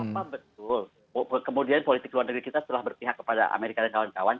apa betul kemudian politik luar negeri kita setelah berpihak kepada amerika dan kawan kawan